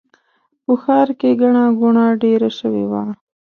په ښار کې ګڼه ګوڼه ډېره شوې وه.